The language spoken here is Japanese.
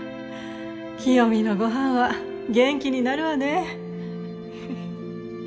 清美のご飯は元気になるわね